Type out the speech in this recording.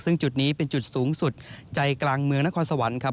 ซึ่งจุดนี้เป็นจุดสูงสุดใจกลางเมืองนครสวรรค์ครับ